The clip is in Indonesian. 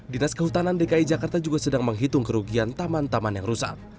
dinas kehutanan dki jakarta juga sedang menghitung kerugian taman taman yang rusak